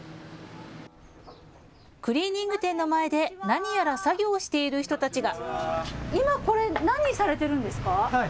クリーニング店の前で何やら作業している人たちが。